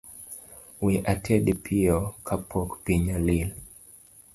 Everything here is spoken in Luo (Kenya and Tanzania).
We ated piyo kapok piny olil